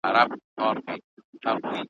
خپل که پردي دي، دلته پلونه وینم `